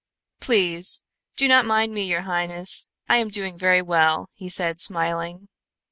"Please, do not mind me, your highness. I am doing very well," he said, smiling.